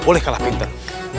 gak boleh kalah pinter